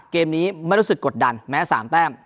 เกมนี้ไม่รู้สึกกดดันแม้๓แต้ม